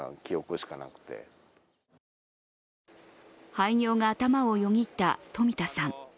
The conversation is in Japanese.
廃業が頭をよぎった冨田さん。